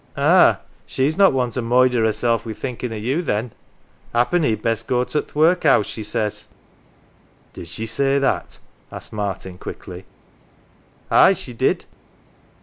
" Ah, she's not one to moider hersel' wi' thinkin' o' you, then. ' Happen he'd best go to th' workhouse,' she says." " Did she say that ?" asked Martin quickly. " Aye, she did."